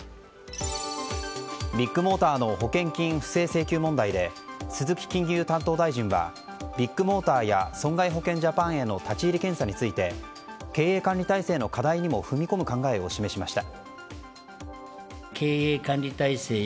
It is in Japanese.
ビッグモーターの保険金不正請求問題で鈴木金融担当大臣はビッグモーターや損害保険ジャパンへの立ち入り検査について経営管理体制の課題にも踏み込む考えを示しました。